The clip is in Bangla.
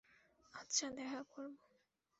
আচ্ছা দেখা করব।